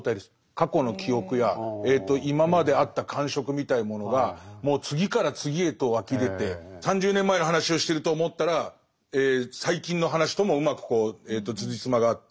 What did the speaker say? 過去の記憶や今まであった感触みたいなものがもう次から次へと湧き出て３０年前の話をしてると思ったら最近の話ともうまくつじつまがあって